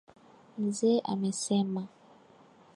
Mzee amesema.